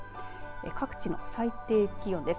各地の最低気温です。